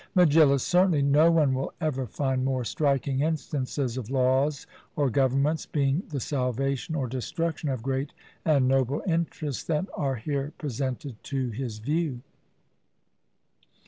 MEGILLUS: Certainly, no one will ever find more striking instances of laws or governments being the salvation or destruction of great and noble interests, than are here presented to his view.